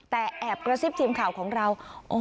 แต่แอบกระซิบทีมข่าวของเรา